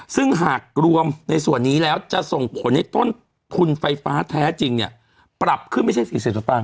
ซึ่งหากรวมในส่วนนี้แล้วจะส่งผลให้ต้นทุนไฟฟ้าแท้จริงเนี่ยปรับขึ้นไม่ใช่๔๐สตางค